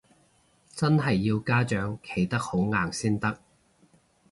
真係要家長企得好硬先得